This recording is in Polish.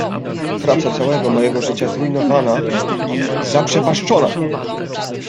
"Praca całego mojego życia zrujnowana i zaprzepaszczona!"